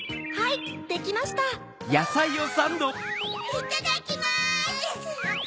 いただきます！